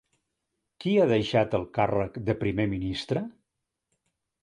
Qui ha deixat el càrrec de primer ministre?